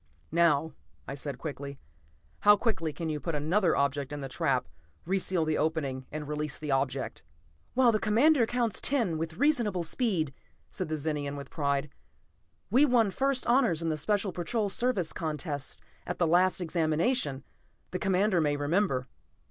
"Now," I said, "how quickly can you put another object in the trap, re seal the opening, and release the object?" "While the Commander counts ten with reasonable speed," said the Zenian with pride. "We won first honors in the Special Patrol Service contests at the last Examination, the Commander may remember."